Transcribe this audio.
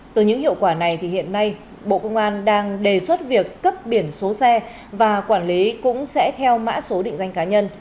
từ những hiệu quả này hiện nay bộ công an đang đề xuất việc cấp biển số xe và quản lý cũng sẽ theo mã số định danh cá nhân